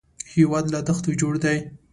هېواد له دښتو جوړ دی